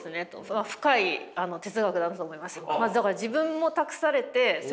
深い哲学だと思います。